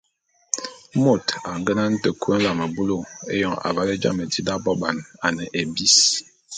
Môt a ngenane te kui nlam bulu éyôn aval jame di d’aboban, a ne ébis.